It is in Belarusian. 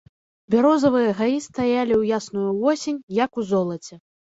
Бярозавыя гаі стаялі ў ясную восень, як у золаце.